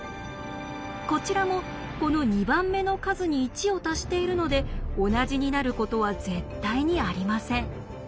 こちらもこの２番目の数に１を足しているので同じになることは絶対にありません。